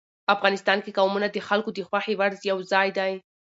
افغانستان کې قومونه د خلکو د خوښې وړ یو ځای دی.